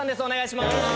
お願いします。